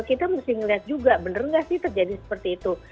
kita mesti melihat juga benar nggak sih terjadi seperti itu